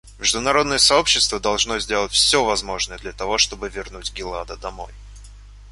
Международное сообщество должно сделать все возможное для того, чтобы вернуть Гилада домой.